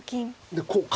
でこうか。